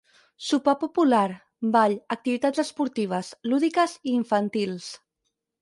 Sopar popular, ball, activitats esportives, lúdiques i infantils.